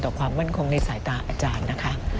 ความมั่นคงในสายตาอาจารย์นะคะ